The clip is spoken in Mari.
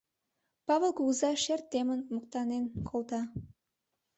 Павыл кугыза шер темын моктанен колта.